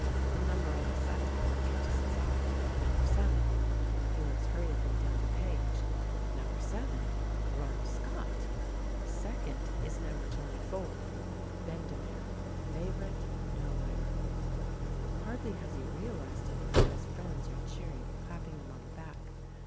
The number on the saddle cloth catches his eye No. 7; he looks hurriedly down the page. No. 7 Royal Scot. Second is No. 24 Bendemeer. Favourite nowhere. Hardly has he realised it, before his friends are cheering and clapping him on the back.